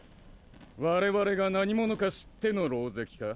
我々が何者か知っての狼藉か？